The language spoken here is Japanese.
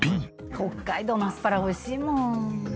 北海道のアスパラ美味しいもん。